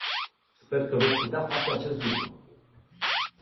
Sper că veți putea face acest lucru.